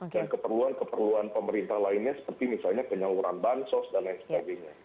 keperluan keperluan pemerintah lainnya seperti misalnya penyaluran bansos dan lain sebagainya